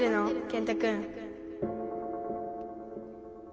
健太くん。